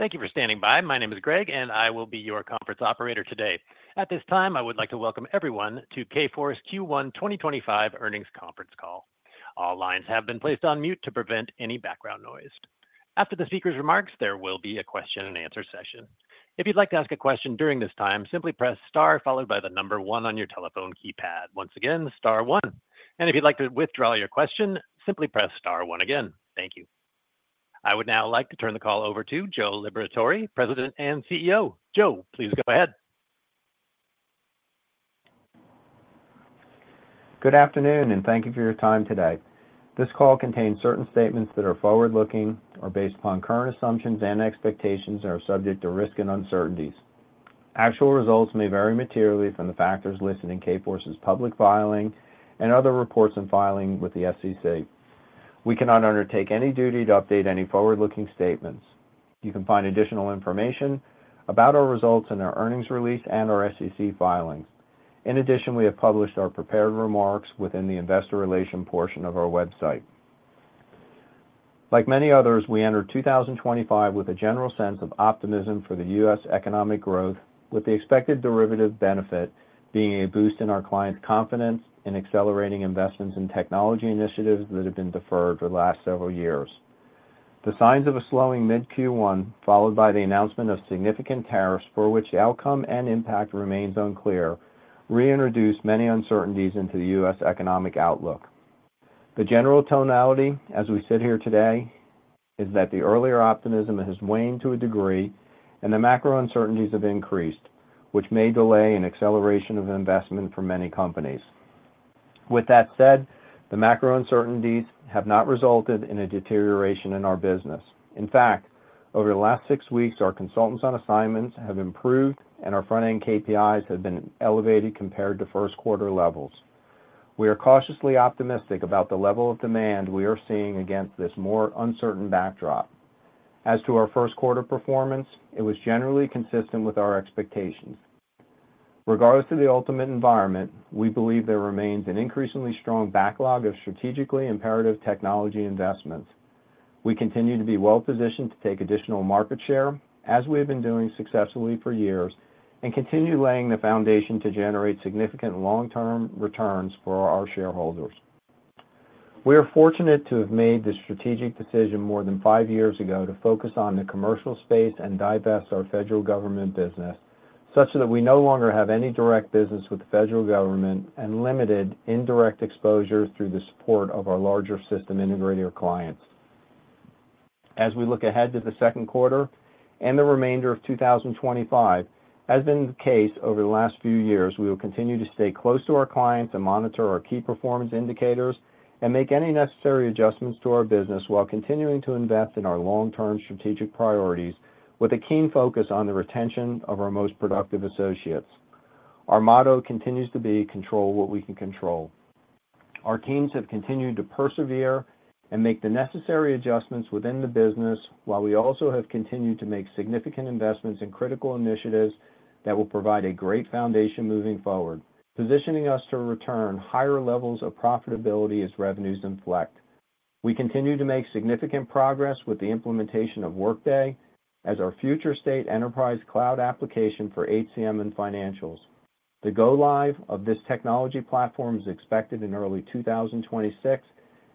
Thank you for standing by. My name is [Greg], and I will be your conference operator today. At this time, I would like to welcome everyone to Kforce Q1 2025 earnings conference call. All lines have been placed on mute to prevent any background noise. After the speaker's remarks, there will be a question-and-answer session. If you'd like to ask a question during this time, simply press star followed by the number one on your telephone keypad. Once again, star one. If you'd like to withdraw your question, simply press star one again. Thank you. I would now like to turn the call over to Joe Liberatore, President and CEO. Joe, please go ahead. Good afternoon, and thank you for your time today. This call contains certain statements that are forward-looking or based upon current assumptions and expectations and are subject to risk and uncertainties. Actual results may vary materially from the factors listed in Kforce's public filing and other reports and filing with the SEC. We cannot undertake any duty to update any forward-looking statements. You can find additional information about our results in our earnings release and our SEC filings. In addition, we have published our prepared remarks within the investor relation portion of our website. Like many others, we enter 2025 with a general sense of optimism for the U.S. economic growth, with the expected derivative benefit being a boost in our clients' confidence in accelerating investments in technology initiatives that have been deferred for the last several years. The signs of a slowing mid-Q1, followed by the announcement of significant tariffs for which the outcome and impact remain unclear, reintroduce many uncertainties into the U.S. economic outlook. The general tonality as we sit here today is that the earlier optimism has waned to a degree, and the macro uncertainties have increased, which may delay an acceleration of investment for many companies. With that said, the macro uncertainties have not resulted in a deterioration in our business. In fact, over the last six weeks, our consultants on assignments have improved, and our front-end KPIs have been elevated compared to first-quarter levels. We are cautiously optimistic about the level of demand we are seeing against this more uncertain backdrop. As to our first-quarter performance, it was generally consistent with our expectations. Regardless of the ultimate environment, we believe there remains an increasingly strong backlog of strategically imperative technology investments. We continue to be well-positioned to take additional market share, as we have been doing successfully for years, and continue laying the foundation to generate significant long-term returns for our shareholders. We are fortunate to have made the strategic decision more than five years ago to focus on the commercial space and divest our federal government business such that we no longer have any direct business with the federal government and limited indirect exposure through the support of our larger system integrator clients. As we look ahead to the second quarter and the remainder of 2025, as has been the case over the last few years, we will continue to stay close to our clients and monitor our key performance indicators and make any necessary adjustments to our business while continuing to invest in our long-term strategic priorities with a keen focus on the retention of our most productive associates. Our motto continues to be, "Control what we can control." Our teams have continued to persevere and make the necessary adjustments within the business, while we also have continued to make significant investments in critical initiatives that will provide a great foundation moving forward, positioning us to return higher levels of profitability as revenues inflect. We continue to make significant progress with the implementation of Workday as our future state enterprise cloud application for HCM and financials. The go-live of this technology platform is expected in early 2026,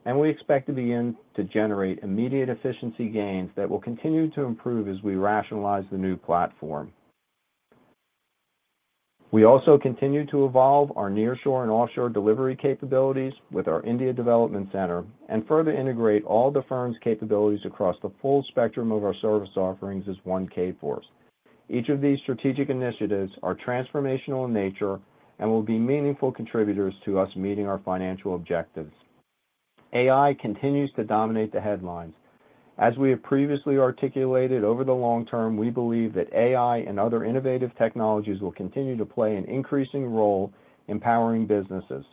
and we expect to begin to generate immediate efficiency gains that will continue to improve as we rationalize the new platform. We also continue to evolve our nearshore and offshore delivery capabilities with our India development center and further integrate all the firm's capabilities across the full spectrum of our service offerings as one Kforce. Each of these strategic initiatives are transformational in nature and will be meaningful contributors to us meeting our financial objectives. AI continues to dominate the headlines. As we have previously articulated, over the long term, we believe that AI and other innovative technologies will continue to play an increasing role in empowering businesses.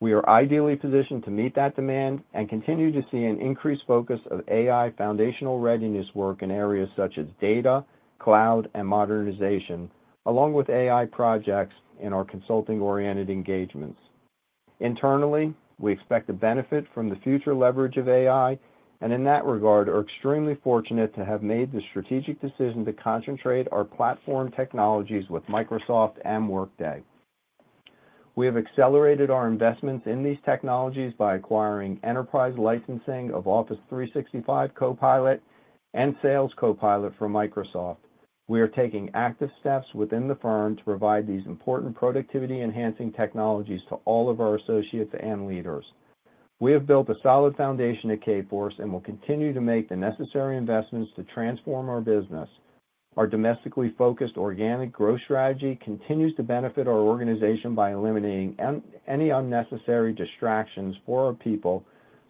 We are ideally positioned to meet that demand and continue to see an increased focus of AI foundational readiness work in areas such as data, cloud, and modernization, along with AI projects in our consulting-oriented engagements. Internally, we expect to benefit from the future leverage of AI, and in that regard, we are extremely fortunate to have made the strategic decision to concentrate our platform technologies with Microsoft and Workday. We have accelerated our investments in these technologies by acquiring enterprise licensing of Office 365 Copilot and Sales Copilot from Microsoft. We are taking active steps within the firm to provide these important productivity-enhancing technologies to all of our associates and leaders. We have built a solid foundation at Kforce and will continue to make the necessary investments to transform our business. Our domestically focused organic growth strategy continues to benefit our organization by eliminating any unnecessary distractions for our people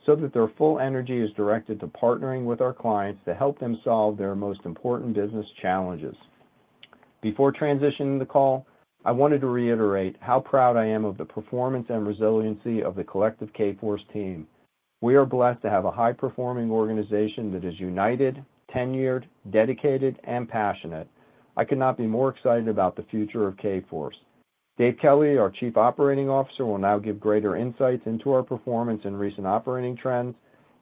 so that their full energy is directed to partnering with our clients to help them solve their most important business challenges. Before transitioning the call, I wanted to reiterate how proud I am of the performance and resiliency of the collective Kforce team. We are blessed to have a high-performing organization that is united, tenured, dedicated, and passionate. I could not be more excited about the future of Kforce. Dave Kelly, our Chief Operating Officer, will now give greater insights into our performance and recent operating trends.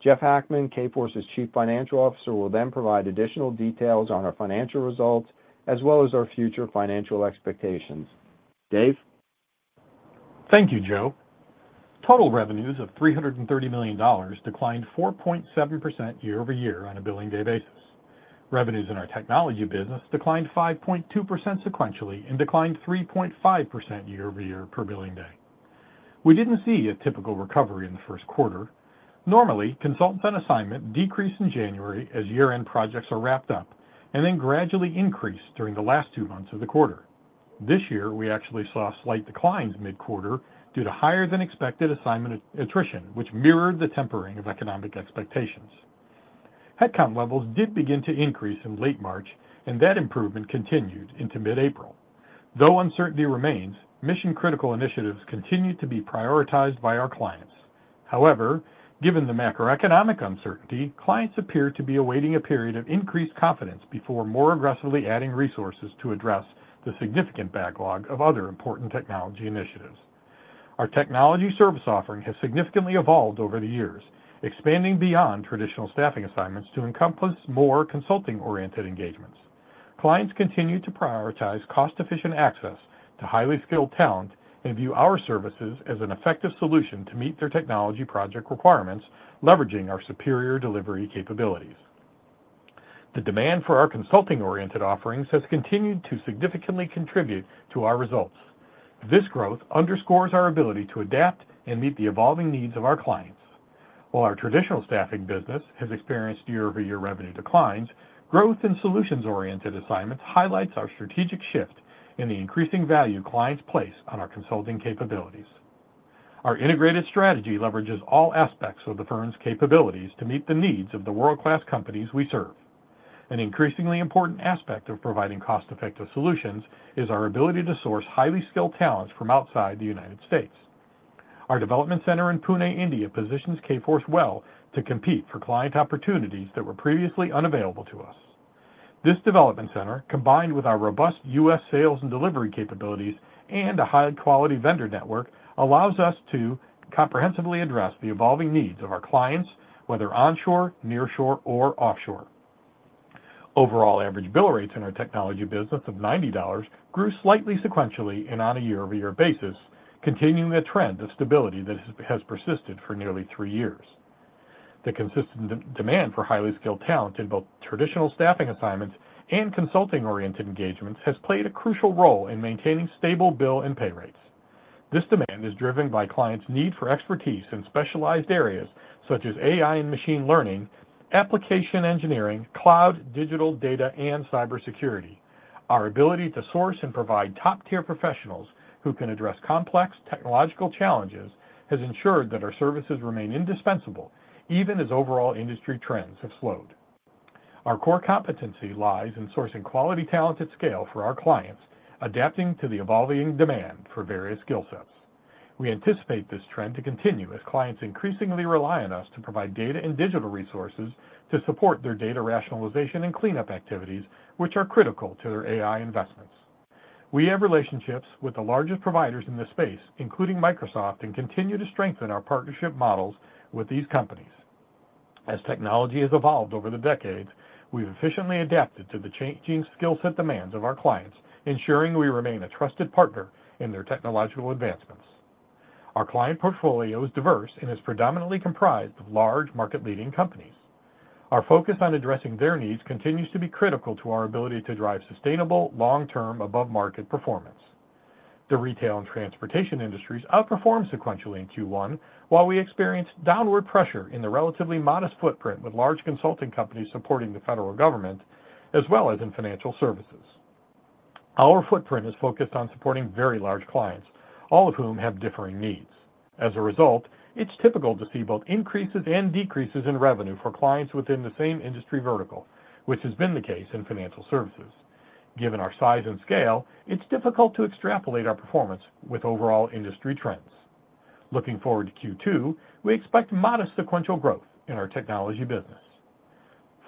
Jeff Hackman, Kforce's Chief Financial Officer, will then provide additional details on our financial results as well as our future financial expectations. Dave? Thank you, Joe. Total revenues of $330 million declined 4.7% year-over-year on a billing day basis. Revenues in our technology business declined 5.2% sequentially and declined 3.5% year-over-year per billing day. We did not see a typical recovery in the first quarter. Normally, consultants on assignment decrease in January as year-end projects are wrapped up and then gradually increase during the last two months of the quarter. This year, we actually saw slight declines mid-quarter due to higher-than-expected assignment attrition, which mirrored the tempering of economic expectations. Headcount levels did begin to increase in late March, and that improvement continued into mid-April. Though uncertainty remains, mission-critical initiatives continue to be prioritized by our clients. However, given the macroeconomic uncertainty, clients appear to be awaiting a period of increased confidence before more aggressively adding resources to address the significant backlog of other important technology initiatives. Our technology service offering has significantly evolved over the years, expanding beyond traditional staffing assignments to encompass more consulting-oriented engagements. Clients continue to prioritize cost-efficient access to highly skilled talent and view our services as an effective solution to meet their technology project requirements, leveraging our superior delivery capabilities. The demand for our consulting-oriented offerings has continued to significantly contribute to our results. This growth underscores our ability to adapt and meet the evolving needs of our clients. While our traditional staffing business has experienced year-over-year revenue declines, growth in solutions-oriented assignments highlights our strategic shift in the increasing value clients place on our consulting capabilities. Our integrated strategy leverages all aspects of the firm's capabilities to meet the needs of the world-class companies we serve. An increasingly important aspect of providing cost-effective solutions is our ability to source highly skilled talents from outside the U.S. Our development center in Pune, India, positions Kforce well to compete for client opportunities that were previously unavailable to us. This development center, combined with our robust U.S. sales and delivery capabilities and a high-quality vendor network, allows us to comprehensively address the evolving needs of our clients, whether onshore, nearshore, or offshore. Overall, average bill rates in our technology business of $90 grew slightly sequentially and on a year-over-year basis, continuing a trend of stability that has persisted for nearly three years. The consistent demand for highly skilled talent in both traditional staffing assignments and consulting-oriented engagements has played a crucial role in maintaining stable bill and pay rates. This demand is driven by clients' need for expertise in specialized areas such as AI and machine learning, application engineering, cloud, digital data, and cybersecurity. Our ability to source and provide top-tier professionals who can address complex technological challenges has ensured that our services remain indispensable even as overall industry trends have slowed. Our core competency lies in sourcing quality talent at scale for our clients, adapting to the evolving demand for various skill sets. We anticipate this trend to continue as clients increasingly rely on us to provide data and digital resources to support their data rationalization and cleanup activities, which are critical to their AI investments. We have relationships with the largest providers in the space, including Microsoft, and continue to strengthen our partnership models with these companies. As technology has evolved over the decades, we've efficiently adapted to the changing skill set demands of our clients, ensuring we remain a trusted partner in their technological advancements. Our client portfolio is diverse and is predominantly comprised of large market-leading companies. Our focus on addressing their needs continues to be critical to our ability to drive sustainable, long-term, above-market performance. The retail and transportation industries outperformed sequentially in Q1, while we experienced downward pressure in the relatively modest footprint with large consulting companies supporting the federal government as well as in financial services. Our footprint is focused on supporting very large clients, all of whom have differing needs. As a result, it's typical to see both increases and decreases in revenue for clients within the same industry vertical, which has been the case in financial services. Given our size and scale, it's difficult to extrapolate our performance with overall industry trends. Looking forward to Q2, we expect modest sequential growth in our technology business.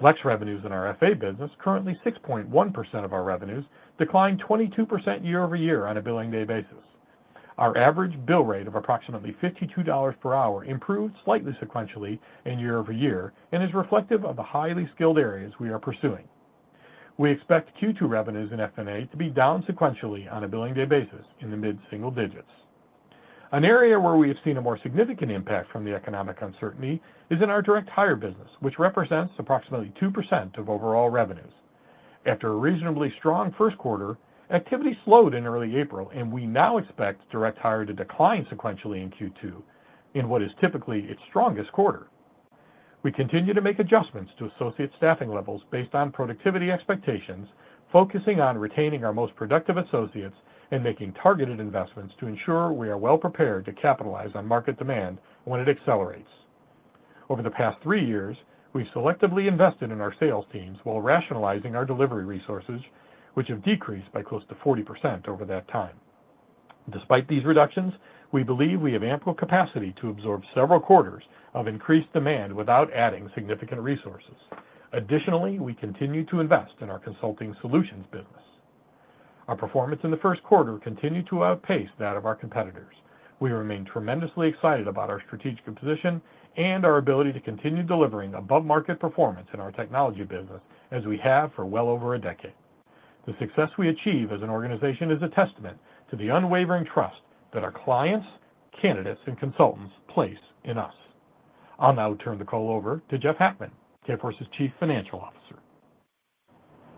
Flex revenues in our FA business, currently 6.1% of our revenues, declined 22% year-over-year on a billing day basis. Our average bill rate of approximately $52 per hour improved slightly sequentially year-over-year and is reflective of the highly skilled areas we are pursuing. We expect Q2 revenues in F&A to be down sequentially on a billing day basis in the mid-single digits. An area where we have seen a more significant impact from the economic uncertainty is in our direct hire business, which represents approximately 2% of overall revenues. After a reasonably strong first quarter, activity slowed in early April, and we now expect direct hire to decline sequentially in Q2 in what is typically its strongest quarter. We continue to make adjustments to associate staffing levels based on productivity expectations, focusing on retaining our most productive associates and making targeted investments to ensure we are well-prepared to capitalize on market demand when it accelerates. Over the past three years, we've selectively invested in our sales teams while rationalizing our delivery resources, which have decreased by close to 40% over that time. Despite these reductions, we believe we have ample capacity to absorb several quarters of increased demand without adding significant resources. Additionally, we continue to invest in our consulting solutions business. Our performance in the first quarter continued to outpace that of our competitors. We remain tremendously excited about our strategic position and our ability to continue delivering above-market performance in our technology business as we have for well over a decade. The success we achieve as an organization is a testament to the unwavering trust that our clients, candidates, and consultants place in us. I'll now turn the call over to Jeff Hackman, Kforce's Chief Financial Officer.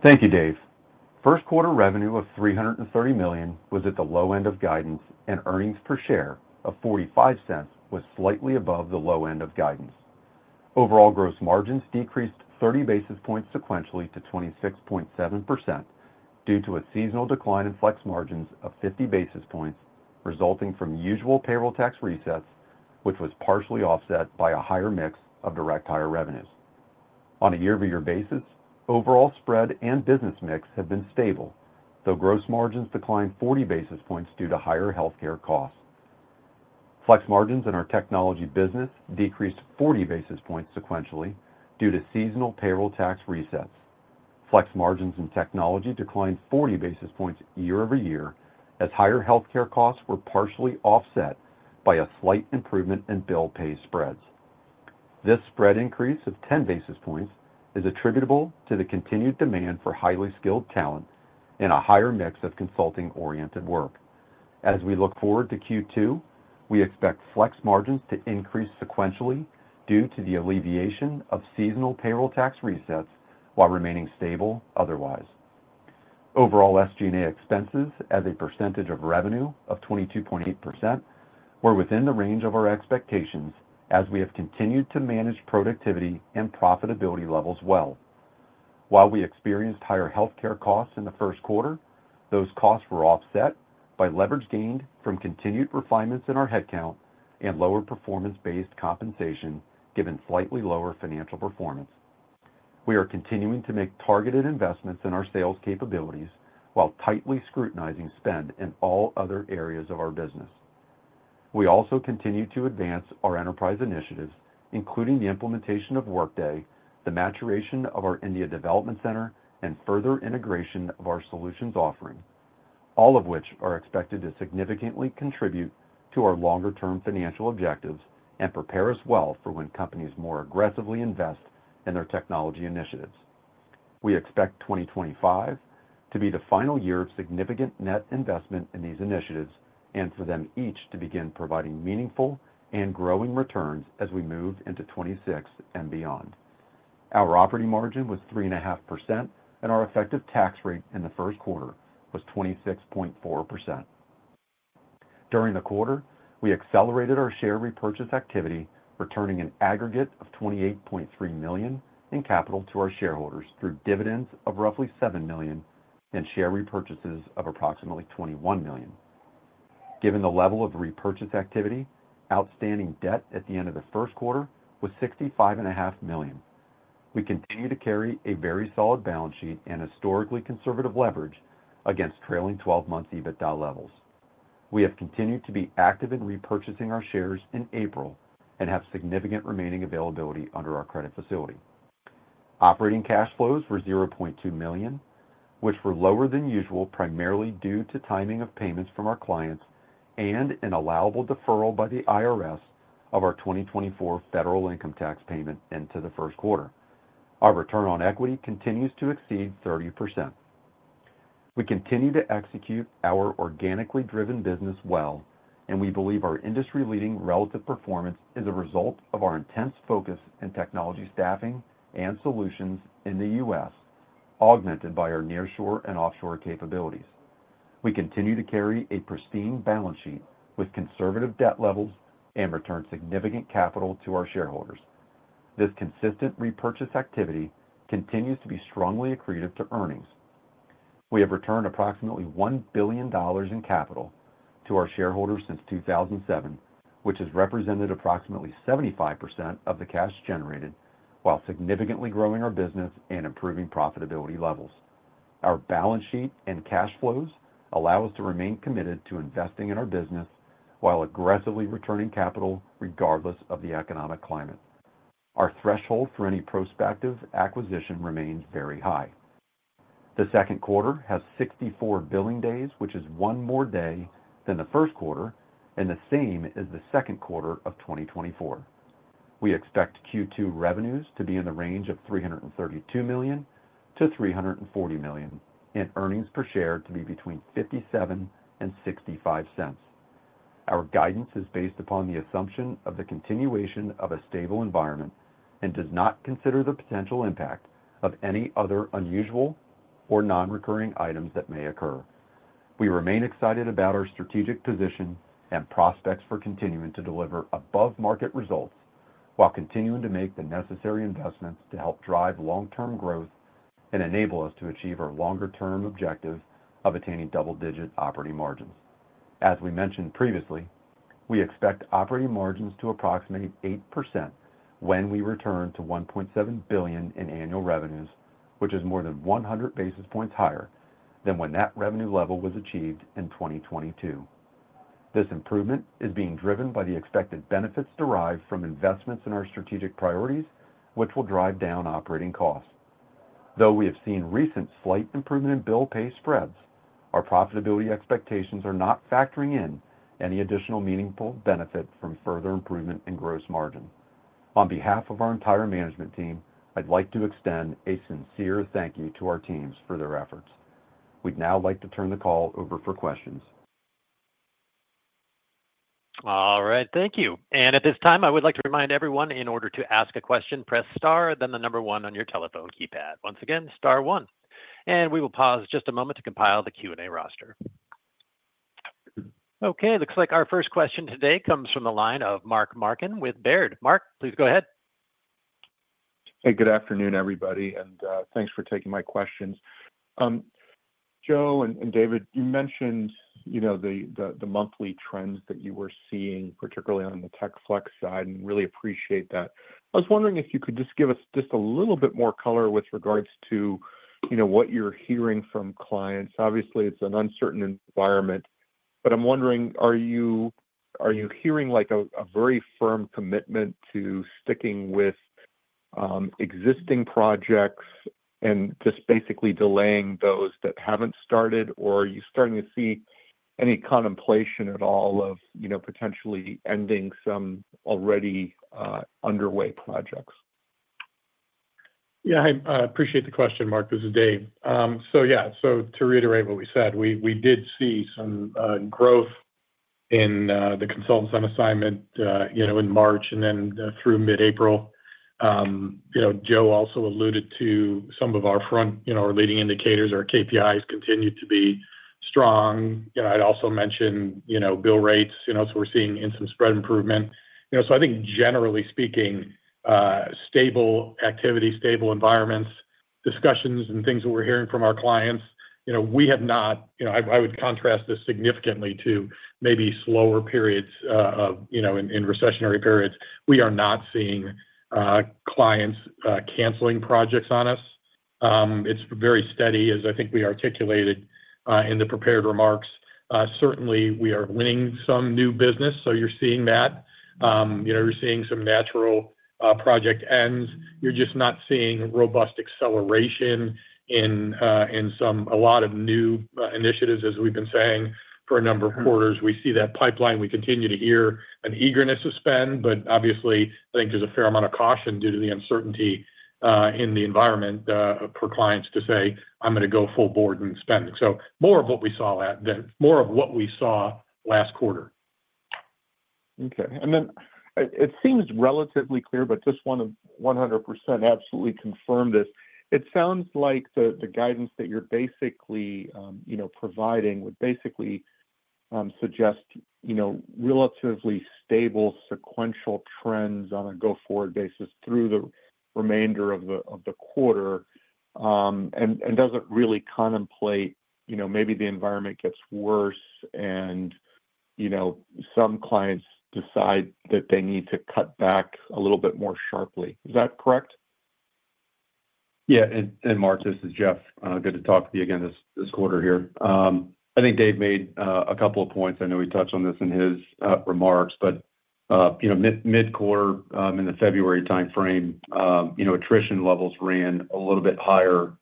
Thank you, Dave. First quarter revenue of $330 million was at the low end of guidance, and earnings per share of $0.45 was slightly above the low end of guidance. Overall gross margins decreased 30 basis points sequentially to 26.7% due to a seasonal decline in flex margins of 50 basis points resulting from usual payroll tax resets, which was partially offset by a higher mix of direct hire revenues. On a year-over-year basis, overall spread and business mix have been stable, though gross margins declined 40 basis points due to higher healthcare costs. Flex margins in our technology business decreased 40 basis points sequentially due to seasonal payroll tax resets. Flex margins in technology declined 40 basis points year-over-year as higher healthcare costs were partially offset by a slight improvement in bill pay spreads. This spread increase of 10 basis points is attributable to the continued demand for highly skilled talent and a higher mix of consulting-oriented work. As we forward to Q2, we expect flex margins to increase sequentially due to the alleviation of seasonal payroll tax resets while remaining stable otherwise. Overall SG&A expenses as a percentage of revenue of 22.8% were within the range of our expectations as we have continued to manage productivity and profitability levels well. While we experienced higher healthcare costs in the first quarter, those costs were offset by leverage gained from continued refinements in our headcount and lower performance-based compensation given slightly lower financial performance. We are continuing to make targeted investments in our sales capabilities while tightly scrutinizing spend in all other areas of our business. We also continue to advance our enterprise initiatives, including the implementation of Workday, the maturation of our India development center, and further integration of our solutions offering, all of which are expected to significantly contribute to our longer-term financial objectives and prepare us well for when companies more aggressively invest in their technology initiatives. We expect 2025 to be the final year of significant net investment in these initiatives and for them each to begin providing meaningful and growing returns as we move into 2026 and beyond. Our operating margin was 3.5%, and our effective tax rate in the first quarter was 26.4%. During the quarter, we accelerated our share repurchase activity, returning an aggregate of $28.3 million in capital to our shareholders through dividends of roughly $7 million and share repurchases of approximately $21 million. Given the level of repurchase activity, outstanding debt at the end of the first quarter was $65.5 million. We continue to carry a very solid balance sheet and historically conservative leverage against trailing 12-month EBITDA levels. We have continued to be active in repurchasing our shares in April and have significant remaining availability under our credit facility. Operating cash flows were $0.2 million, which were lower than usual primarily due to timing of payments from our clients and an allowable deferral by the IRS of our 2024 federal income tax payment into the first quarter. Our return on equity continues to exceed 30%. We continue to execute our organically driven business well, and we believe our industry-leading relative performance is a result of our intense focus in technology staffing and solutions in the U.S., augmented by our nearshore and offshore capabilities. We continue to carry a pristine balance sheet with conservative debt levels and return significant capital to our shareholders. This consistent repurchase activity continues to be strongly accretive to earnings. We have returned approximately $1 billion in capital to our shareholders since 2007, which has represented approximately 75% of the cash generated, while significantly growing our business and improving profitability levels. Our balance sheet and cash flows allow us to remain committed to investing in our business while aggressively returning capital regardless of the economic climate. Our threshold for any prospective acquisition remains very high. The second quarter has 64 billing days, which is one more day than the first quarter and the same as the second quarter of 2024. We expect Q2 revenues to be in the range of $332 million-$340 million and earnings per share to be between $0.57 and $0.65. Our guidance is based upon the assumption of the continuation of a stable environment and does not consider the potential impact of any other unusual or non-recurring items that may occur. We remain excited about our strategic position and prospects for continuing to deliver above-market results while continuing to make the necessary investments to help drive long-term growth and enable us to achieve our longer-term objective of attaining double-digit operating margins. As we mentioned previously, we expect operating margins to approximate 8% when we return to $1.7 billion in annual revenues, which is more than 100 basis points higher than when that revenue level was achieved in 2022. This improvement is being driven by the expected benefits derived from investments in our strategic priorities, which will drive down operating costs. Though we have seen recent slight improvement in bill pay spreads, our profitability expectations are not factoring in any additional meaningful benefit from further improvement in gross margin. On behalf of our entire management team, I'd like to extend a sincere thank you to our teams for their efforts. We'd now like to turn the call over for questions. All right. Thank you. At this time, I would like to remind everyone in order to ask a question, press star, then the number one on your telephone keypad. Once again, star one. We will pause just a moment to compile the Q&A roster. Okay. Looks like our first question today comes from the line of Mark Marcon with Baird. Mark, please go ahead. Hey, good afternoon, everybody. Thanks for taking my questions. Joe and David, you mentioned the monthly trends that you were seeing, particularly on the tech flex side, and really appreciate that. I was wondering if you could just give us just a little bit more color with regards to what you're hearing from clients. Obviously, it's an uncertain environment, but I'm wondering, are you hearing a very firm commitment to sticking with existing projects and just basically delaying those that haven't started, or are you starting to see any contemplation at all of potentially ending some already underway projects? Yeah. I appreciate the question, Mark. This is Dave. Yeah, to reiterate what we said, we did see some growth in the consultants on assignment in March and then through mid-April. Joe also alluded to some of our front, our leading indicators, our KPIs continue to be strong. I'd also mentioned bill rates. We're seeing some spread improvement. I think, generally speaking, stable activity, stable environments, discussions, and things that we're hearing from our clients. I would contrast this significantly to maybe slower periods in recessionary periods. We are not seeing clients canceling projects on us. It's very steady, as I think we articulated in the prepared remarks. Certainly, we are winning some new business, so you're seeing that. You're seeing some natural project ends. You're just not seeing robust acceleration in a lot of new initiatives, as we've been saying for a number of quarters. We see that pipeline. We continue to hear an eagerness to spend, but obviously, I think there's a fair amount of caution due to the uncertainty in the environment for clients to say, "I'm going to go full board and spend." More of what we saw last quarter. Okay. It seems relatively clear, but just want to 100% absolutely confirm this. It sounds like the guidance that you're basically providing would basically suggest relatively stable sequential trends on a go-forward basis through the remainder of the quarter and doesn't really contemplate maybe the environment gets worse and some clients decide that they need to cut back a little bit more sharply. Is that correct? Yeah. Mark, this is Jeff. Good to talk to you again this quarter here. I think Dave made a couple of points. I know we touched on this in his remarks, but mid-quarter in the February timeframe, attrition levels ran a little bit higher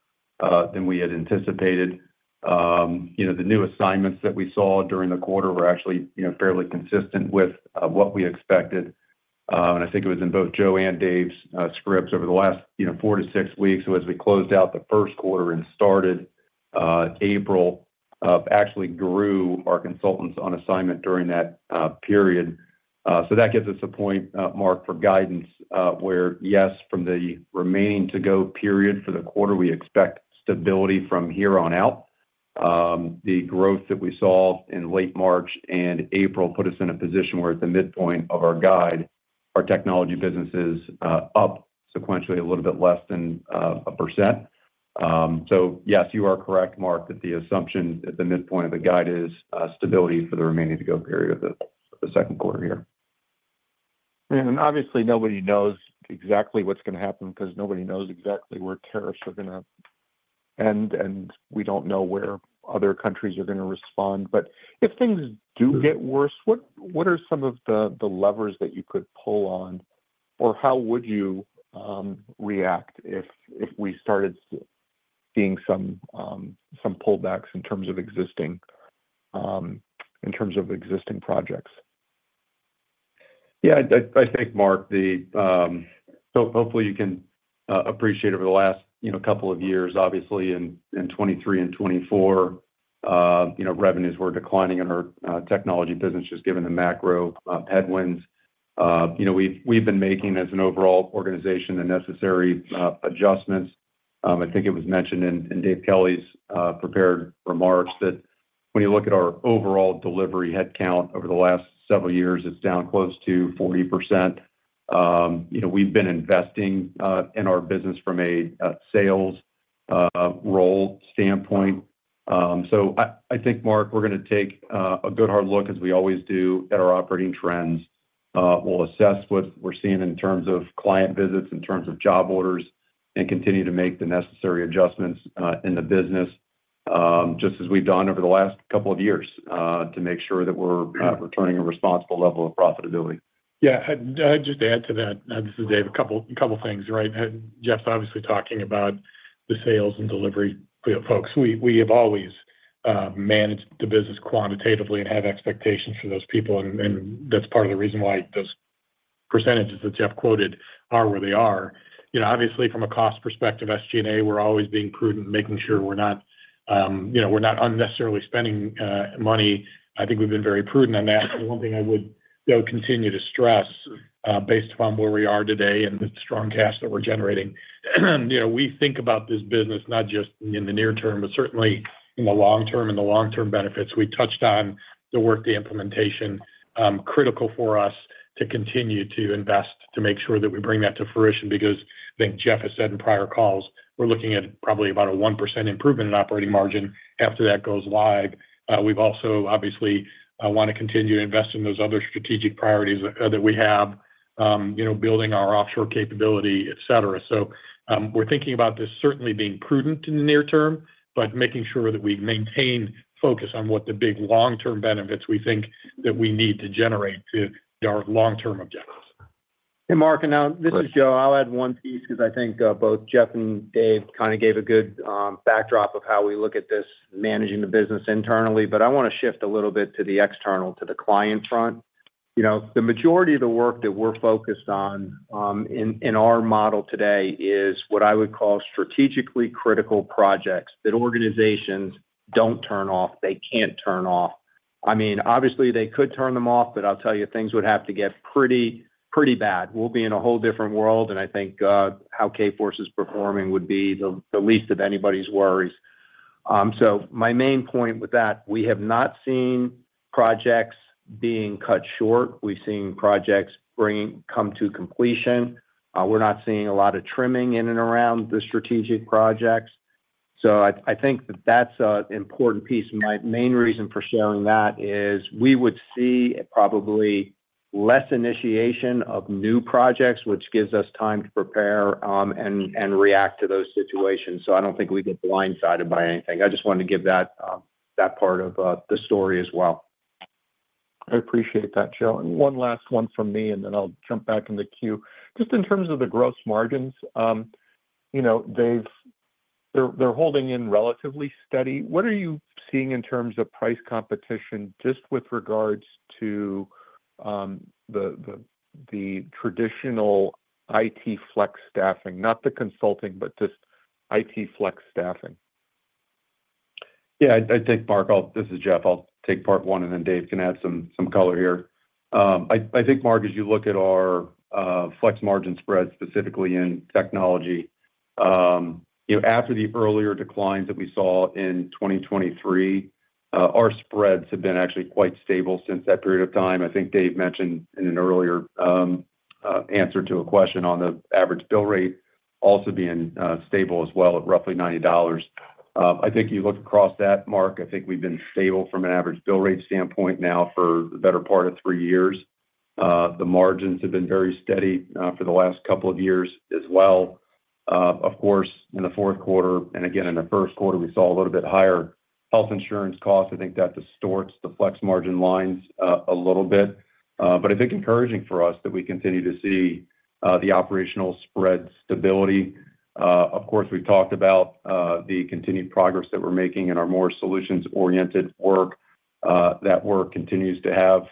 than we had anticipated. The new assignments that we saw during the quarter were actually fairly consistent with what we expected. I think it was in both Joe and Dave's scripts over the last four to six weeks. As we closed out the first quarter and started April, we actually grew our consultants on assignment during that period. That gives us a point, Mark, for guidance where, yes, from the remaining-to-go period for the quarter, we expect stability from here on out. The growth that we saw in late March and April put us in a position where at the midpoint of our guide, our technology business is up sequentially a little bit less than 1%. Yes, you are correct, Mark, that the assumption at the midpoint of the guide is stability for the remaining-to-go period of the second quarter here. Obviously, nobody knows exactly what's going to happen because nobody knows exactly where tariffs are going to end, and we don't know where other countries are going to respond. If things do get worse, what are some of the levers that you could pull on, or how would you react if we started seeing some pullbacks in terms of existing projects? Yeah. I think, Mark, hopefully, you can appreciate over the last couple of years, obviously, in 2023 and 2024, revenues were declining in our technology business just given the macro headwinds. We've been making, as an overall organization, the necessary adjustments. I think it was mentioned in Dave Kelly's prepared remarks that when you look at our overall delivery headcount over the last several years, it's down close to 40%. We've been investing in our business from a sales role standpoint. I think, Mark, we're going to take a good hard look, as we always do, at our operating trends. We'll assess what we're seeing in terms of client visits, in terms of job orders, and continue to make the necessary adjustments in the business just as we've done over the last couple of years to make sure that we're returning a responsible level of profitability. Yeah. I'd just add to that. This is Dave. A couple of things, right? Jeff's obviously talking about the sales and delivery folks. We have always managed the business quantitatively and have expectations for those people. That's part of the reason why those percentages that Jeff quoted are where they are. Obviously, from a cost perspective, SG&A, we're always being prudent, making sure we're not unnecessarily spending money. I think we've been very prudent on that. The one thing I would continue to stress, based upon where we are today and the strong cash that we're generating, we think about this business not just in the near term, but certainly in the long term and the long-term benefits. We touched on the work, the implementation, critical for us to continue to invest to make sure that we bring that to fruition because I think Jeff has said in prior calls, we're looking at probably about a 1% improvement in operating margin after that goes live. We also obviously want to continue to invest in those other strategic priorities that we have, building our offshore capability, etc. We are thinking about this certainly being prudent in the near term, but making sure that we maintain focus on what the big long-term benefits we think that we need to generate to our long-term objectives. Hey, Mark. Now this is Joe. I'll add one piece because I think both Jeff and Dave kind of gave a good backdrop of how we look at this managing the business internally. I want to shift a little bit to the external, to the client front. The majority of the work that we're focused on in our model today is what I would call strategically critical projects that organizations don't turn off, they can't turn off. I mean, obviously, they could turn them off, but I'll tell you, things would have to get pretty bad. We would be in a whole different world, and I think how Kforce is performing would be the least of anybody's worries. My main point with that, we have not seen projects being cut short. We've seen projects come to completion. We're not seeing a lot of trimming in and around the strategic projects. I think that that's an important piece. My main reason for sharing that is we would see probably less initiation of new projects, which gives us time to prepare and react to those situations. I don't think we get blindsided by anything. I just wanted to give that part of the story as well. I appreciate that, Joe. One last one from me, and then I'll jump back in the queue. Just in terms of the gross margins, they're holding in relatively steady. What are you seeing in terms of price competition just with regards to the traditional IT flex staffing, not the consulting, but just IT flex staffing? Yeah. I think, Mark, this is Jeff. I'll take part one, and then Dave can add some color here. I think, Mark, as you look at our flex margin spreads, specifically in technology, after the earlier declines that we saw in 2023, our spreads have been actually quite stable since that period of time. I think Dave mentioned in an earlier answer to a question on the average bill rate also being stable as well at roughly $90. I think you look across that, Mark, I think we've been stable from an average bill rate standpoint now for the better part of three years. The margins have been very steady for the last couple of years as well. Of course, in the fourth quarter and again, in the first quarter, we saw a little bit higher health insurance costs. I think that distorts the flex margin lines a little bit. I think encouraging for us that we continue to see the operational spread stability. Of course, we've talked about the continued progress that we're making in our more solutions-oriented work. That work continues to have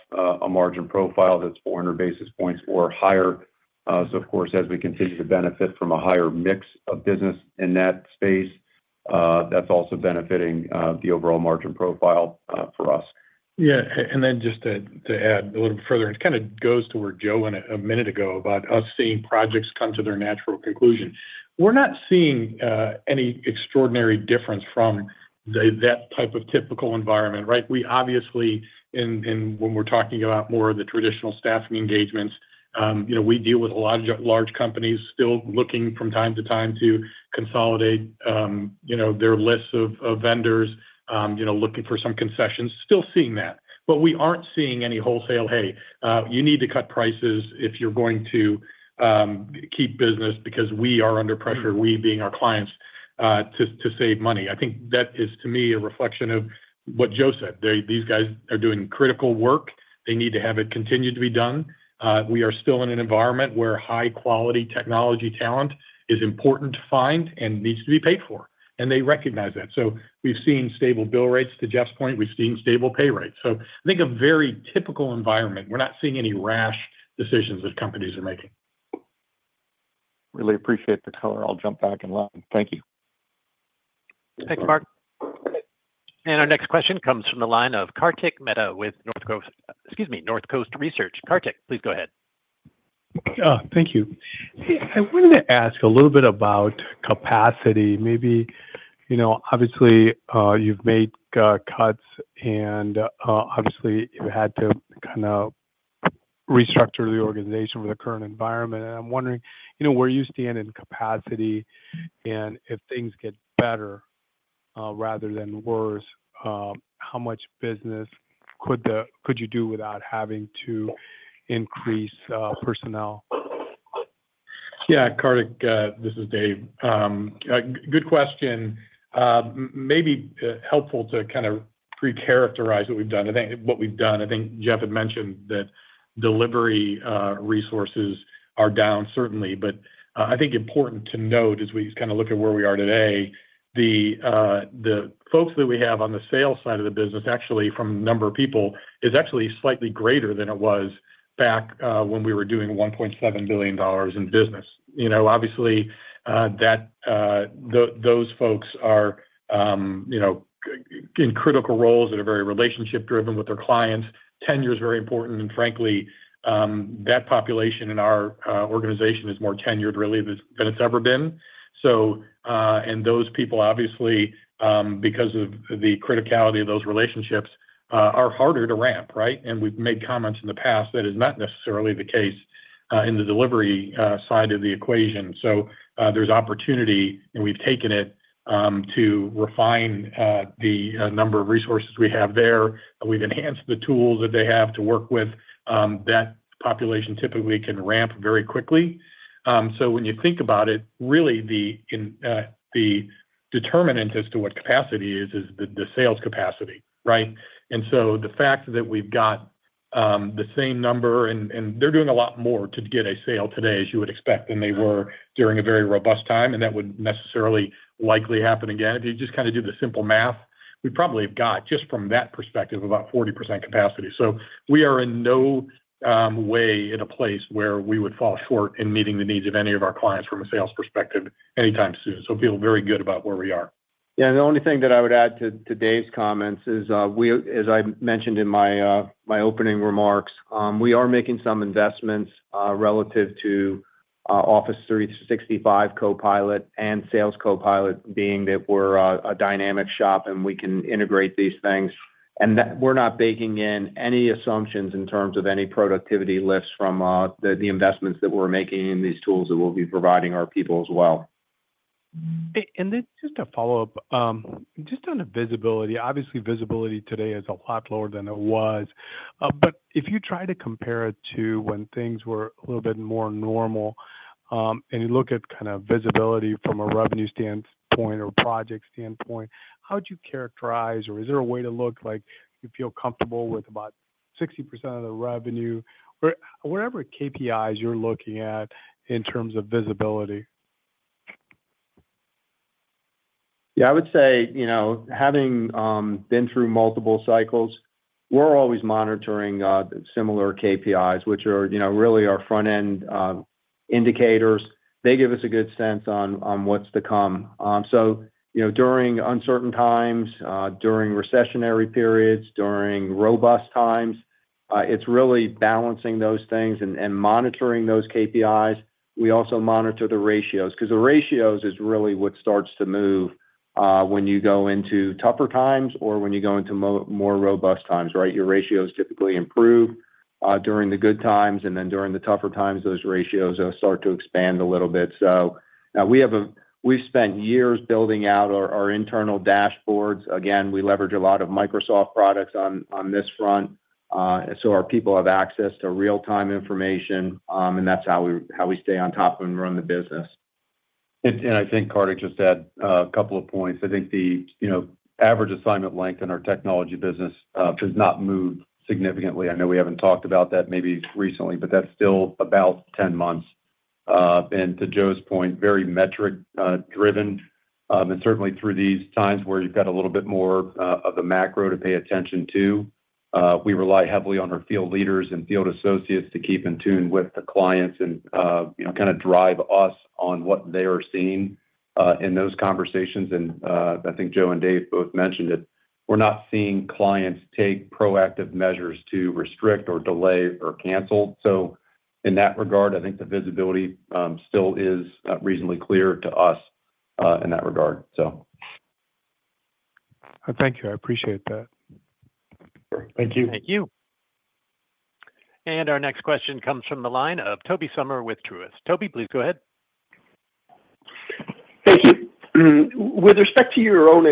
a margin profile that's 400 basis points or higher. Of course, as we continue to benefit from a higher mix of business in that space, that's also benefiting the overall margin profile for us. Yeah. And then just to add a little further, it kind of goes to where Joe went a minute ago about us seeing projects come to their natural conclusion. We are not seeing any extraordinary difference from that type of typical environment, right? We obviously, when we are talking about more of the traditional staffing engagements, we deal with a lot of large companies still looking from time to time to consolidate their lists of vendors, looking for some concessions, still seeing that. We are not seeing any wholesale, "Hey, you need to cut prices if you are going to keep business because we are under pressure, we being our clients, to save money." I think that is, to me, a reflection of what Joe said. These guys are doing critical work. They need to have it continue to be done. We are still in an environment where high-quality technology talent is important to find and needs to be paid for. They recognize that. We have seen stable bill rates, to Jeff's point, we have seen stable pay rates. I think a very typical environment. We are not seeing any rash decisions that companies are making. Really appreciate the color. I'll jump back in line. Thank you. Thanks, Mark. Our next question comes from the line of Kartik Mehta with Northcoast Research. Kartik, please go ahead. Thank you. I wanted to ask a little bit about capacity. Obviously, you've made cuts, and obviously, you had to kind of restructure the organization for the current environment. I am wondering, where you stand in capacity, and if things get better rather than worse, how much business could you do without having to increase personnel? Yeah. Kartik, this is Dave. Good question. Maybe helpful to kind of pre-characterize what we've done. I think Jeff had mentioned that delivery resources are down, certainly. I think important to note, as we kind of look at where we are today, the folks that we have on the sales side of the business, actually, from a number of people, is actually slightly greater than it was back when we were doing $1.7 billion in business. Obviously, those folks are in critical roles that are very relationship-driven with their clients. Tenure is very important. Frankly, that population in our organization is more tenured, really, than it's ever been. Those people, obviously, because of the criticality of those relationships, are harder to ramp, right? We've made comments in the past that is not necessarily the case in the delivery side of the equation. There is opportunity, and we've taken it to refine the number of resources we have there. We've enhanced the tools that they have to work with. That population typically can ramp very quickly. When you think about it, really, the determinant as to what capacity is, is the sales capacity, right? The fact that we've got the same number, and they're doing a lot more to get a sale today, as you would expect, than they were during a very robust time. That would necessarily likely happen again if you just kind of do the simple math. We probably have got, just from that perspective, about 40% capacity. We are in no way in a place where we would fall short in meeting the needs of any of our clients from a sales perspective anytime soon. Feel very good about where we are. Yeah. The only thing that I would add to Dave's comments is, as I mentioned in my opening remarks, we are making some investments relative to Office 365 Copilot and Sales Copilot, being that we're a dynamic shop and we can integrate these things. We're not baking in any assumptions in terms of any productivity lifts from the investments that we're making in these tools that we'll be providing our people as well. Just a follow-up, just on visibility. Obviously, visibility today is a lot lower than it was. If you try to compare it to when things were a little bit more normal and you look at kind of visibility from a revenue standpoint or project standpoint, how would you characterize, or is there a way to look like you feel comfortable with about 60% of the revenue, whatever KPIs you're looking at in terms of visibility? Yeah. I would say, having been through multiple cycles, we're always monitoring similar KPIs, which are really our front-end indicators. They give us a good sense on what's to come. During uncertain times, during recessionary periods, during robust times, it's really balancing those things and monitoring those KPIs. We also monitor the ratios because the ratios are really what start to move when you go into tougher times or when you go into more robust times, right? Your ratios typically improve during the good times, and then during the tougher times, those ratios start to expand a little bit. We've spent years building out our internal dashboards. Again, we leverage a lot of Microsoft products on this front. Our people have access to real-time information, and that's how we stay on top of and run the business. I think Kartik just added a couple of points. I think the average assignment length in our technology business has not moved significantly. I know we have not talked about that maybe recently, but that is still about 10 months. To Joe's point, very metric-driven. Certainly, through these times where you have got a little bit more of the macro to pay attention to, we rely heavily on our field leaders and field associates to keep in tune with the clients and kind of drive us on what they are seeing in those conversations. I think Joe and Dave both mentioned it. We are not seeing clients take proactive measures to restrict or delay or cancel. In that regard, I think the visibility still is reasonably clear to us in that regard. Thank you. I appreciate that. Thank you. Thank you. Our next question comes from the line of Tobey Sommer with Truist. Toby, please go ahead. Thank you. With respect to your own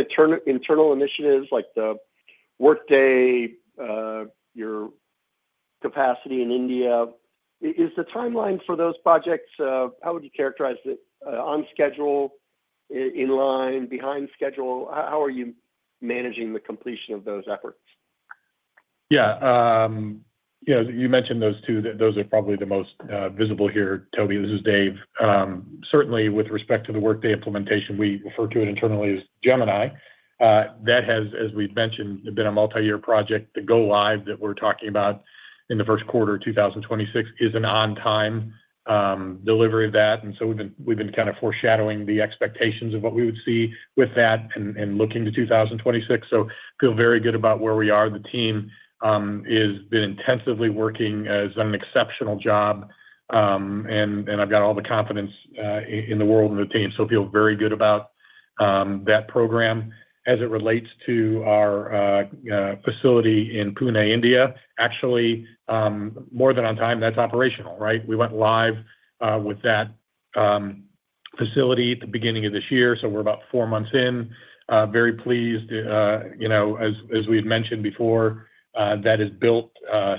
internal initiatives, like the Workday, your capacity in India, is the timeline for those projects—how would you characterize it? On schedule, in line, behind schedule? How are you managing the completion of those efforts? Yeah. You mentioned those two. Those are probably the most visible here. Tobey, this is Dave. Certainly, with respect to the Workday implementation, we refer to it internally as Gemini. That has, as we've mentioned, been a multi-year project. The go-live that we're talking about in the first quarter of 2026 is an on-time delivery of that. We've been kind of foreshadowing the expectations of what we would see with that and looking to 2026. I feel very good about where we are. The team has been intensively working, has done an exceptional job, and I've got all the confidence in the world in the team. I feel very good about that program. As it relates to our facility in Pune, India, actually, more than on time, that's operational, right? We went live with that facility at the beginning of this year. We're about four months in. Very pleased. As we had mentioned before, that is built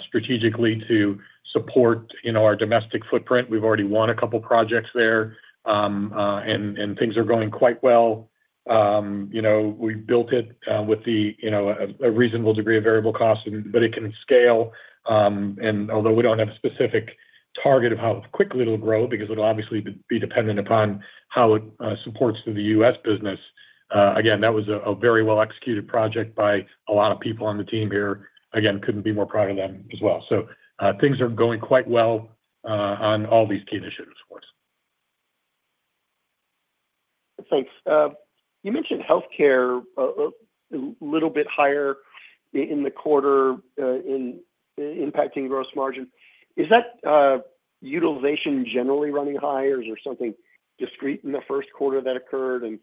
strategically to support our domestic footprint. We've already won a couple of projects there, and things are going quite well. We built it with a reasonable degree of variable cost, but it can scale. Although we don't have a specific target of how quickly it'll grow because it'll obviously be dependent upon how it supports the U.S. business, again, that was a very well-executed project by a lot of people on the team here. Again, couldn't be more proud of them as well. Things are going quite well on all these key initiatives for us. Thanks. You mentioned healthcare a little bit higher in the quarter in impacting gross margin. Is that utilization generally running high, or is there something discrete in the first quarter that occurred?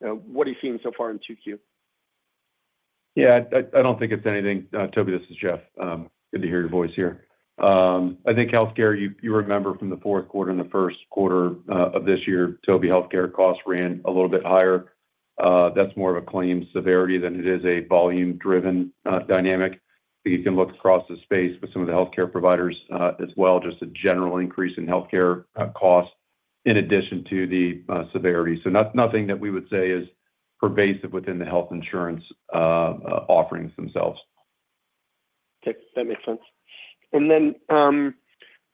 What are you seeing so far in Q2? Yeah. I don't think it's anything. Tobey, this is Jeff. Good to hear your voice here. I think healthcare, you remember from the fourth quarter and the first quarter of this year, Tobey, healthcare costs ran a little bit higher. That's more of a claim severity than it is a volume-driven dynamic. You can look across the space with some of the healthcare providers as well, just a general increase in healthcare costs in addition to the severity. Nothing that we would say is pervasive within the health insurance offerings themselves. That makes sense.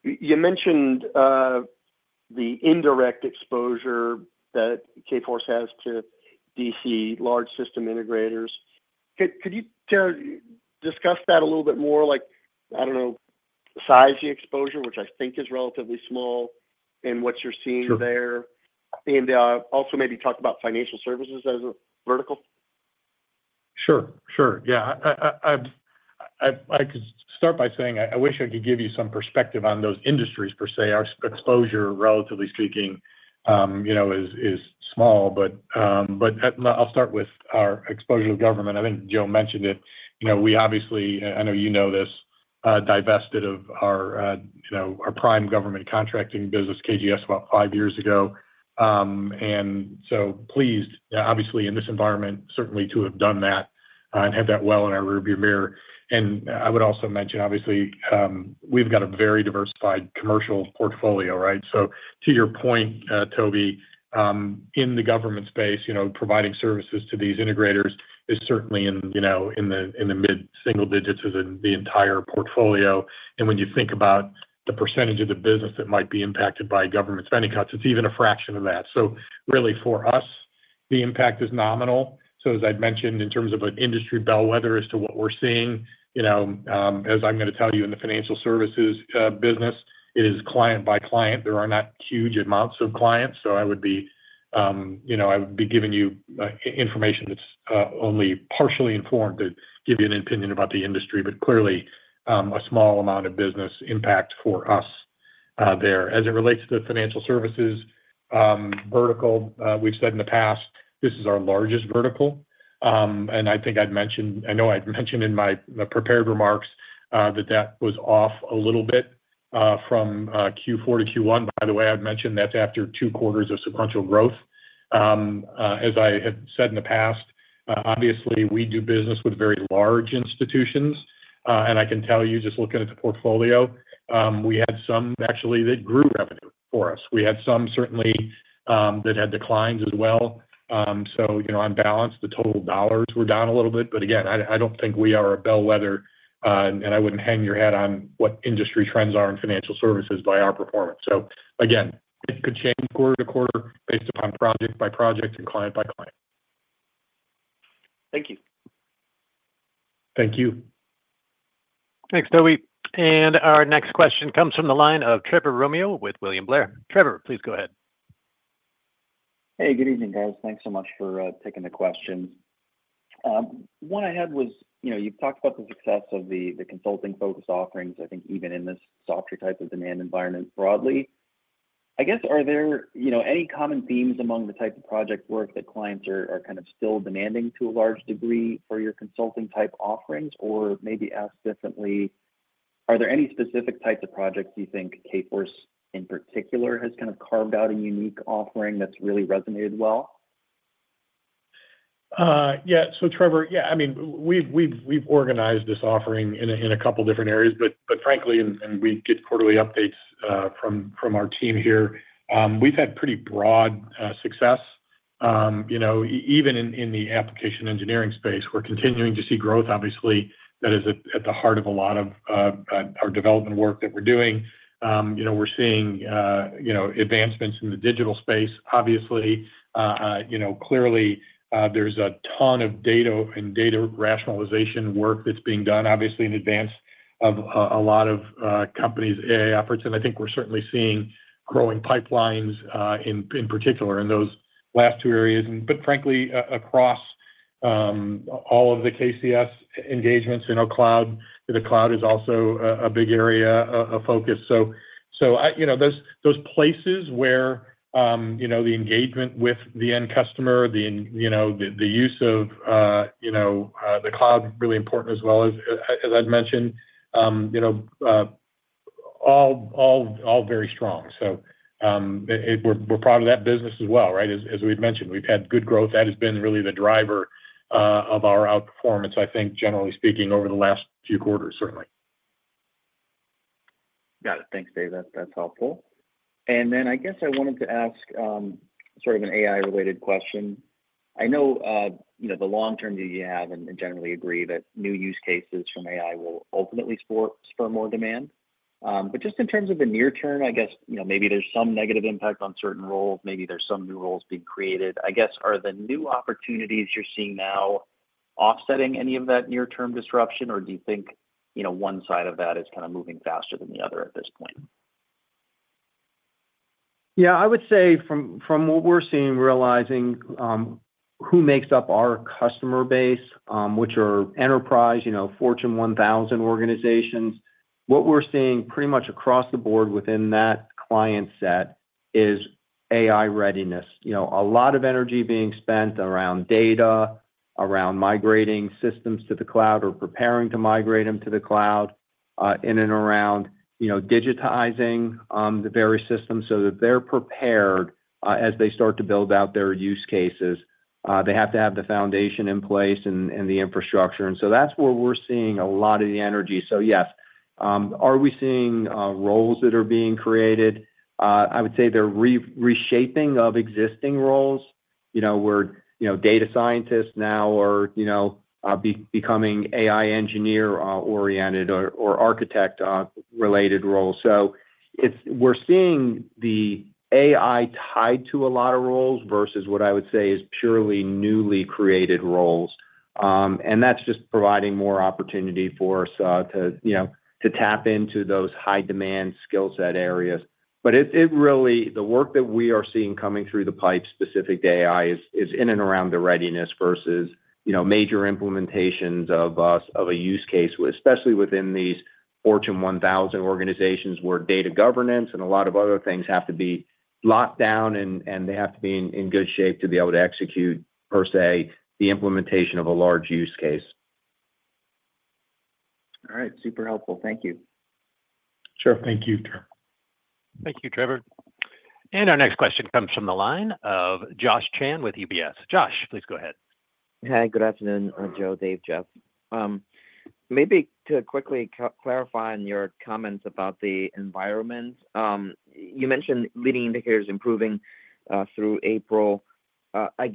You mentioned the indirect exposure that Kforce has to DC large system integrators. Could you discuss that a little bit more? I don't know, size the exposure, which I think is relatively small, and what you're seeing there. Also maybe talk about financial services as a vertical. Sure. Sure. Yeah. I could start by saying I wish I could give you some perspective on those industries, per se. Our exposure, relatively speaking, is small. I'll start with our exposure to government. I think Joe mentioned it. We obviously, I know you know this, divested of our prime government contracting business, KGS, about five years ago. I am pleased, obviously, in this environment, certainly to have done that and have that well in our rearview mirror. I would also mention, obviously, we've got a very diversified commercial portfolio, right? To your point, Tobey, in the government space, providing services to these integrators is certainly in the mid-single digits as in the entire portfolio. When you think about the percentage of the business that might be impacted by government spending cuts, it's even a fraction of that. Really, for us, the impact is nominal. As I've mentioned, in terms of an industry bellwether as to what we're seeing, as I'm going to tell you in the financial services business, it is client by client. There are not huge amounts of clients. I would be giving you information that's only partially informed to give you an opinion about the industry, but clearly a small amount of business impact for us there. As it relates to the financial services vertical, we've said in the past, this is our largest vertical. I think I'd mentioned—I know I'd mentioned in my prepared remarks that that was off a little bit from Q4 to Q1. By the way, I'd mentioned that's after two quarters of sequential growth. As I have said in the past, obviously, we do business with very large institutions. I can tell you, just looking at the portfolio, we had some actually that grew revenue for us. We had some certainly that had declines as well. On balance, the total dollars were down a little bit. Again, I do not think we are a bellwether, and I would not hang your hat on what industry trends are in financial services by our performance. Again, it could change quarter to quarter based upon project by project and client by client. Thank you. Thank you. Thanks, Tobey. Our next question comes from the line of Trevor Romeo with William Blair. Trevor, please go ahead. Hey, good evening, guys. Thanks so much for taking the questions. One I had was you've talked about the success of the consulting-focused offerings, I think, even in this software type of demand environment broadly. I guess, are there any common themes among the type of project work that clients are kind of still demanding to a large degree for your consulting-type offerings? Maybe asked differently, are there any specific types of projects you think Kforce in particular has kind of carved out a unique offering that's really resonated well? Yeah. Trevor, yeah, I mean, we've organized this offering in a couple of different areas. Frankly, and we get quarterly updates from our team here, we've had pretty broad success. Even in the application engineering space, we're continuing to see growth, obviously. That is at the heart of a lot of our development work that we're doing. We're seeing advancements in the digital space. Obviously, clearly, there's a ton of data and data rationalization work that's being done, obviously, in advance of a lot of companies' AI efforts. I think we're certainly seeing growing pipelines, in particular, in those last two areas. Frankly, across all of the KCS engagements in our cloud, the cloud is also a big area of focus. Those places where the engagement with the end customer, the use of the cloud is really important as well as, as I've mentioned, all very strong. We're proud of that business as well, right? As we've mentioned, we've had good growth. That has been really the driver of our outperformance, I think, generally speaking, over the last few quarters, certainly. Got it. Thanks, Dave. That's helpful. I guess I wanted to ask sort of an AI-related question. I know the long term view you have and generally agree that new use cases from AI will ultimately spur more demand. Just in terms of the near term, I guess maybe there's some negative impact on certain roles. Maybe there's some new roles being created. I guess, are the new opportunities you're seeing now offsetting any of that near-term disruption, or do you think one side of that is kind of moving faster than the other at this point? Yeah. I would say from what we're seeing, realizing who makes up our customer base, which are enterprise, Fortune 1000 organizations, what we're seeing pretty much across the board within that client set is AI readiness. A lot of energy being spent around data, around migrating systems to the cloud or preparing to migrate them to the cloud, in and around digitizing the various systems so that they're prepared as they start to build out their use cases. They have to have the foundation in place and the infrastructure. That's where we're seeing a lot of the energy. Yes, are we seeing roles that are being created? I would say they're reshaping of existing roles where data scientists now are becoming AI engineer-oriented or architect-related roles. We're seeing the AI tied to a lot of roles versus what I would say is purely newly created roles. That is just providing more opportunity for us to tap into those high-demand skill set areas. Really, the work that we are seeing coming through the pipe specific to AI is in and around the readiness versus major implementations of a use case, especially within these Fortune 1000 organizations where data governance and a lot of other things have to be locked down, and they have to be in good shape to be able to execute, per se, the implementation of a large use case. All right. Super helpful. Thank you. Sure. Thank you, Trevor. Thank you, Trevor. Our next question comes from the line of Josh Chan with UBS. Josh, please go ahead. Hi. Good afternoon, Joe, Dave, Jeff. Maybe to quickly clarify on your comments about the environment, you mentioned leading indicators improving through April. I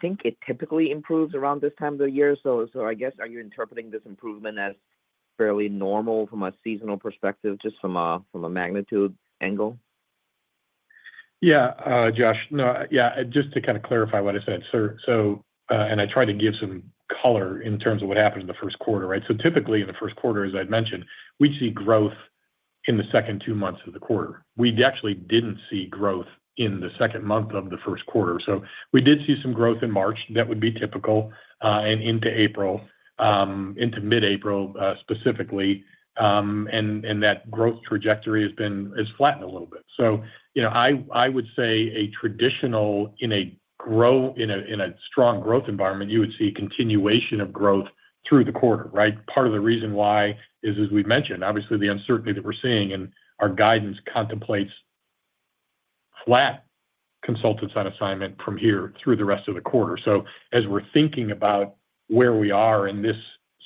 think it typically improves around this time of the year. I guess, are you interpreting this improvement as fairly normal from a seasonal perspective, just from a magnitude angle? Yeah, Josh. Yeah. Just to kind of clarify what I said. I tried to give some color in terms of what happened in the first quarter, right? Typically, in the first quarter, as I'd mentioned, we'd see growth in the second two months of the quarter. We actually didn't see growth in the second month of the first quarter. We did see some growth in March. That would be typical into mid-April specifically. That growth trajectory has flattened a little bit. I would say a traditional, in a strong growth environment, you would see continuation of growth through the quarter, right? Part of the reason why is, as we've mentioned, obviously, the uncertainty that we're seeing and our guidance contemplates flat consultants on assignment from here through the rest of the quarter. As we're thinking about where we are in this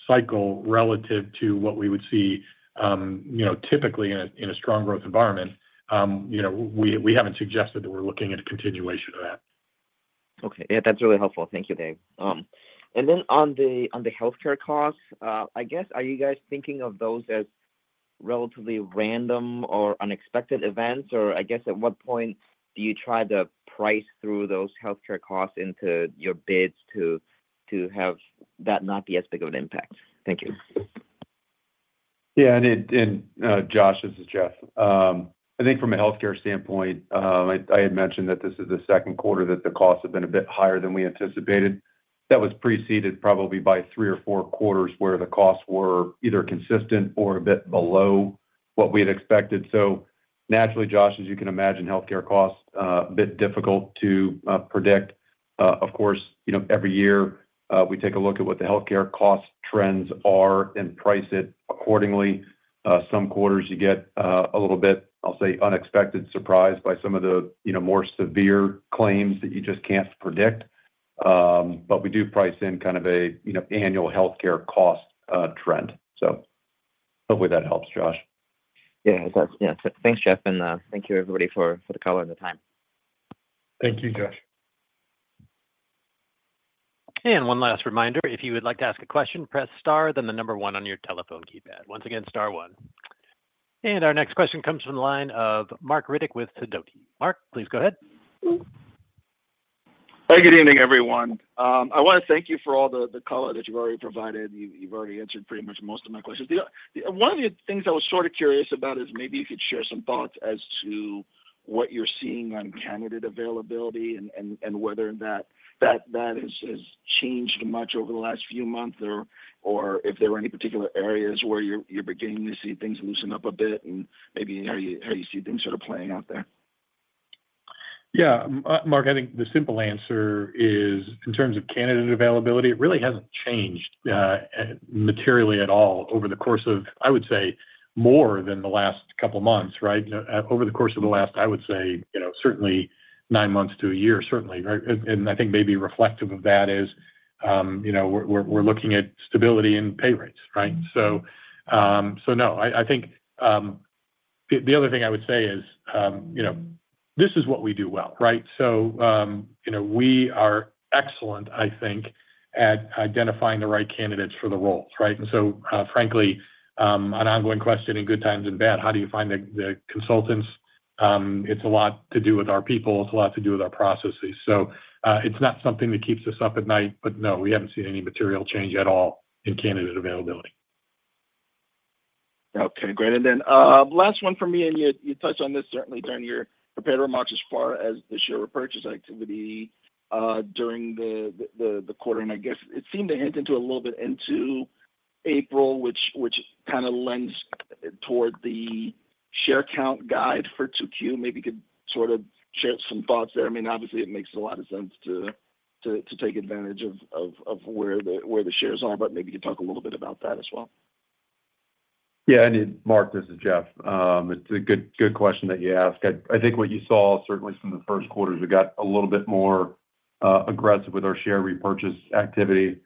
cycle relative to what we would see typically in a strong growth environment, we haven't suggested that we're looking at a continuation of that. Okay. Yeah. That's really helpful. Thank you, Dave. On the healthcare costs, I guess, are you guys thinking of those as relatively random or unexpected events? At what point do you try to price through those healthcare costs into your bids to have that not be as big of an impact? Thank you. Yeah. Josh, this is Jeff. I think from a healthcare standpoint, I had mentioned that this is the second quarter that the costs have been a bit higher than we anticipated. That was preceded probably by three or four quarters where the costs were either consistent or a bit below what we had expected. Naturally, Josh, as you can imagine, healthcare costs are a bit difficult to predict. Of course, every year, we take a look at what the healthcare cost trends are and price it accordingly. Some quarters, you get a little bit, I'll say, unexpected surprise by some of the more severe claims that you just can't predict. We do price in kind of an annual healthcare cost trend. Hopefully that helps, Josh. Yeah. Thanks, Jeff. Thank you, everybody, for the call and the time. Thank you, Josh. One last reminder, if you would like to ask a question, press star, then the number one on your telephone keypad. Once again, star one. Our next question comes from the line of Marc Riddick with Sidoti. Marc, please go ahead. Hi. Good evening, everyone. I want to thank you for all the color that you've already provided. You've already answered pretty much most of my questions. One of the things I was sort of curious about is maybe you could share some thoughts as to what you're seeing on candidate availability and whether or not that has changed much over the last few months, or if there are any particular areas where you're beginning to see things loosen up a bit, and maybe how you see things sort of playing out there. Yeah. Marc, I think the simple answer is, in terms of candidate availability, it really hasn't changed materially at all over the course of, I would say, more than the last couple of months, right? Over the course of the last, I would say, certainly nine months to a year, certainly, right? I think maybe reflective of that is we're looking at stability in pay rates, right? No, I think the other thing I would say is this is what we do well, right? We are excellent, I think, at identifying the right candidates for the roles, right? Frankly, an ongoing question in good times and bad, how do you find the consultants? It's a lot to do with our people. It's a lot to do with our processes. It is not something that keeps us up at night, but no, we have not seen any material change at all in candidate availability. Okay. Great. Last one for me, and you touched on this certainly during your prepared remarks as far as the share repurchase activity during the quarter. I guess it seemed to hint a little bit into April, which kind of lends toward the share count guide for 2Q. Maybe you could sort of share some thoughts there. I mean, obviously, it makes a lot of sense to take advantage of where the shares are, but maybe you could talk a little bit about that as well. Yeah. Marc, this is Jeff. It's a good question that you asked. I think what you saw certainly from the first quarter is we got a little bit more aggressive with our share repurchase activity.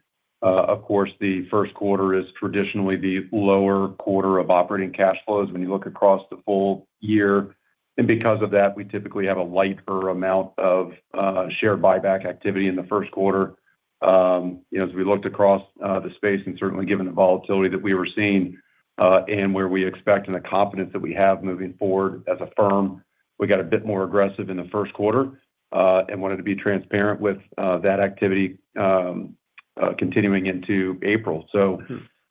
Of course, the first quarter is traditionally the lower quarter of operating cash flows when you look across the full year. Because of that, we typically have a lighter amount of share buyback activity in the first quarter. As we looked across the space and certainly given the volatility that we were seeing and where we expect and the confidence that we have moving forward as a firm, we got a bit more aggressive in the first quarter and wanted to be transparent with that activity continuing into April.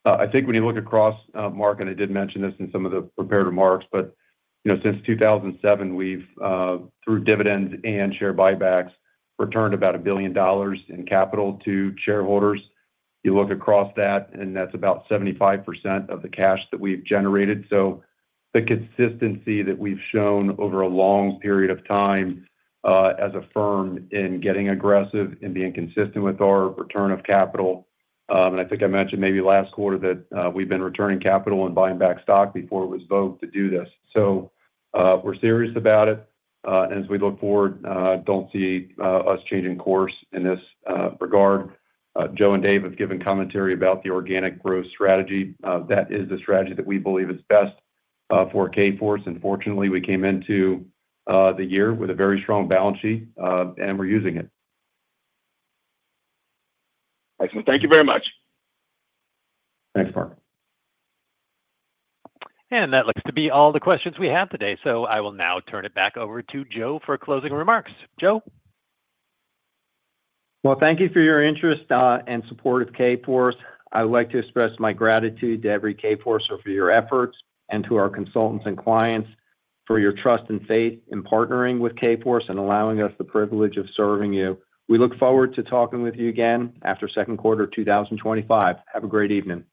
I think when you look across, Marc, and I did mention this in some of the prepared remarks, but since 2007, we've, through dividends and share buybacks, returned about $1 billion in capital to shareholders. You look across that, and that's about 75% of the cash that we've generated. The consistency that we've shown over a long period of time as a firm in getting aggressive and being consistent with our return of capital. I think I mentioned maybe last quarter that we've been returning capital and buying back stock before it was voted to do this. We're serious about it. As we look forward, don't see us changing course in this regard. Joe and Dave have given commentary about the organic growth strategy. That is the strategy that we believe is best for Kforce. Fortunately, we came into the year with a very strong balance sheet, and we're using it. Excellent. Thank you very much. Thanks, Mark. That looks to be all the questions we have today. I will now turn it back over to Joe for closing remarks. Joe? Thank you for your interest and support of Kforce. I would like to express my gratitude to every Kforcer for your efforts and to our consultants and clients for your trust and faith in partnering with Kforce and allowing us the privilege of serving you. We look forward to talking with you again after second quarter of 2025. Have a great evening.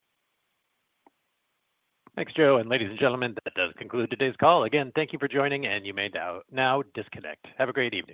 Thanks, Joe. Ladies and gentlemen, that does conclude today's call. Again, thank you for joining, and you may now disconnect. Have a great evening.